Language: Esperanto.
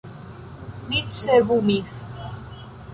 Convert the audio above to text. Mi cerbumis.